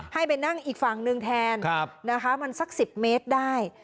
ให้ไปนั่งอีกฝั่งหนึ่งแทนนะคะมันสัก๑๐เมตรได้